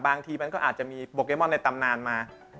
บางทีมันก็อาจจะมีโปเกมอนในตำนานมา